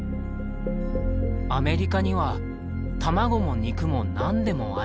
「アメリカには卵も肉も何でもある。